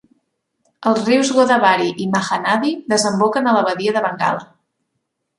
Els rius Godavari i Mahanadi desemboquen a la badia de Bengala.